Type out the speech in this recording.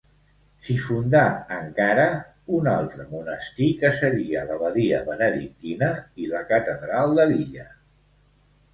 S'hi fundà encara un altre monestir que seria l'abadia benedictina i la catedral de l'illa.